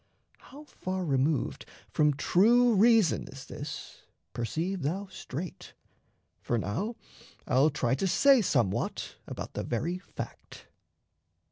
How far removed from true reason is this, Perceive thou straight; for now I'll try to say Somewhat about the very fact.